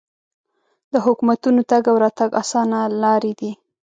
د حکومتونو تګ او راتګ اسانه لارې دي.